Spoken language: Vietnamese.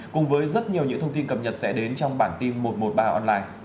cùng với rất nhiều những thông tin cập nhật sẽ đến trong bản tin một trăm một mươi ba online